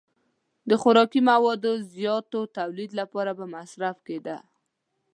د خوراکي موادو زیات تولید لپاره به مصرف کېده.